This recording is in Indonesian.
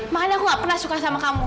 makanya aku gak pernah suka sama kamu